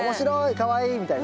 かわいい！みたいな。